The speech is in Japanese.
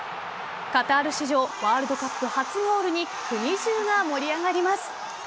カタール史上ワールドカップ初ゴールに国中が盛り上がります。